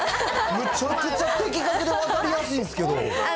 めちゃくちゃ分かりやすいんですけど。